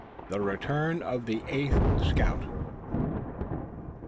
THE RETURN OF THE EIGHTH SCOUT.